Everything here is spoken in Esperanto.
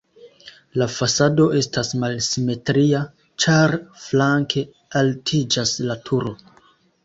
La fasado estas malsimetria, ĉar flanke altiĝas la turo.